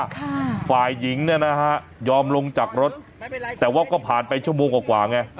ฝ่ายหญิงเนี่ยนะฮะยอมลงจากรถแต่ว่าก็ผ่านไปชั่วโมงกว่ากว่าไง